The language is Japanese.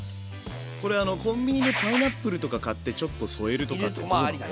これあのコンビニでパイナップルとか買ってちょっと添えるとかってどうなの？